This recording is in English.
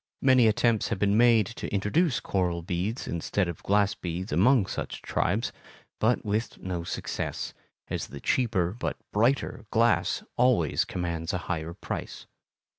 Many attempts have been made to introduce coral beads instead of glass beads among such tribes, but with no success, as the cheaper, but brighter, glass always commands a higher price.